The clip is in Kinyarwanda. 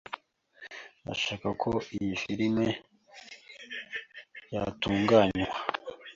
Ndashaka ko iyi firime yatunganywa.